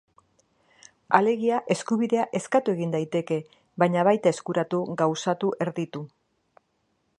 Alegia, eskubidea eskatu egin daiteke, baina baita eskuratu, gauzatu, erditu...